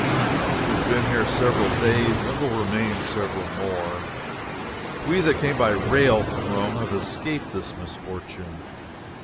She has been here several days and will remain several more. We that came by rail from Rome have escaped this misfortune.